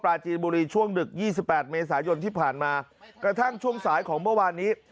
จีนบุรีช่วงดึกยี่สิบแปดเมษายนที่ผ่านมากระทั่งช่วงสายของเมื่อวานนี้